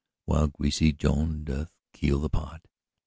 While greasy Joan doth keel the pot.